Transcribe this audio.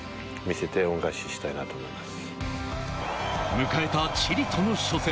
迎えたチリとの初戦。